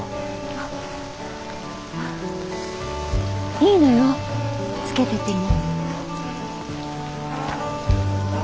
いいのよつけてても。